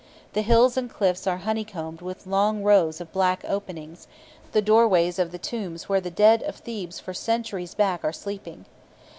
The hills and cliffs are honeycombed with long rows of black openings, the doorways of the tombs where the dead of Thebes for centuries back are sleeping.